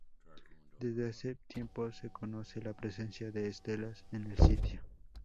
Desde hace tiempo, se conoce la presencia de estelas en el sitio.